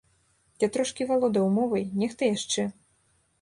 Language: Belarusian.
Я трошкі валодаў мовай, нехта яшчэ.